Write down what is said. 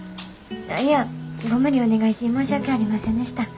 いやご無理お願いし申し訳ありませんでした。